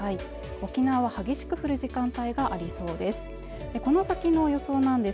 沖縄激しく降る時間帯がありそうです